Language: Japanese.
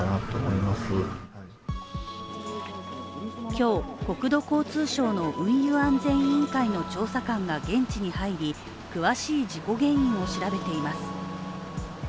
今日、国土交通省の運輸安全委員会の調査官が現地に入り、詳しい事故原因を調べています。